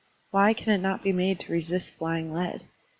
Why can it not be made to resist flying lead?